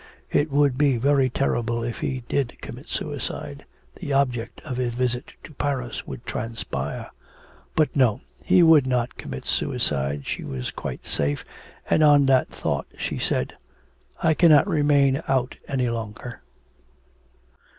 It would be very terrible if he did commit suicide, the object of his visit to Paris would transpire. But no, he would not commit suicide, she was quite safe, and on that thought she said: 'I cannot remain out any longer.'